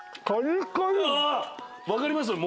分かります？